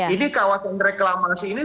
ini kawasan reklamasi ini